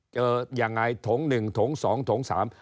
เจออย่างไรถง๑ถง๒ถง๓